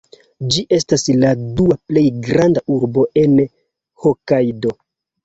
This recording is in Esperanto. Ĝi estas la dua plej granda urbo en Hokajdo.